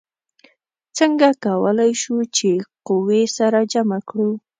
څنګه کولی شو چې قوې سره جمع کړو؟